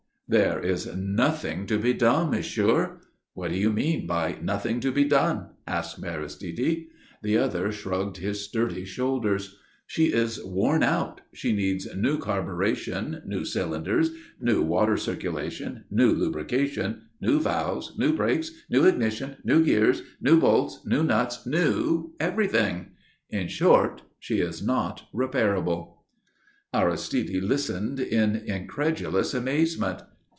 "There is nothing to be done, monsieur." "What do you mean by 'nothing to be done'?" asked Aristide. The other shrugged his sturdy shoulders. "She is worn out. She needs new carburation, new cylinders, new water circulation, new lubrication, new valves, new brakes, new ignition, new gears, new bolts, new nuts, new everything. In short, she is not repairable." Aristide listened in incredulous amazement.